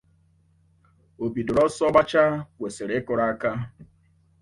Obidoro ọsọ gbachaa kwèsìrì ịkụrụ aka